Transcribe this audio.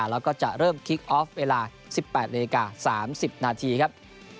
แล้วก็จะเริ่มคิกออฟเวลา๑๘นาฬิกา๓๐นาทีครับ